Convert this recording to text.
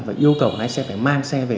và yêu cầu lái xe phải mang xe về